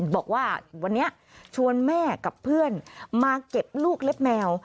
บอกว่าวันนี้ชวนแม่กับเพื่อนมาเก็บลูกเล็บแมว